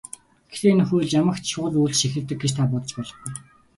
Гэхдээ энэ хууль ямагт шууд үйлчилж эхэлдэг гэж та бодож болохгүй.